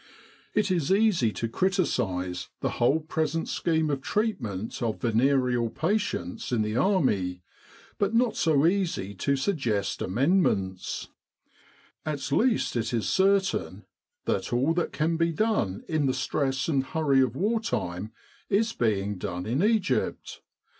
It is easy to criticise the whole present scheme of treatment of venereal patients in 252 Military General Hospitals in Egypt the Army, but not so easy to suggest amendments. At least it is certain that all that can be done in the stress and hurry of war time is being done in Egypt.